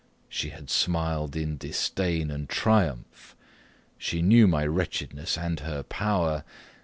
She had smiled in disdain and triumph she knew my wretchedness and her power.